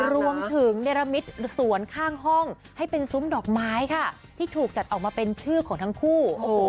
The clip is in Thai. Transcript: รวมถึงเนรมิตสวนข้างห้องให้เป็นซุ้มดอกไม้ค่ะที่ถูกจัดออกมาเป็นชื่อของทั้งคู่